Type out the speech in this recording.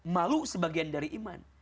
malu sebagian dari iman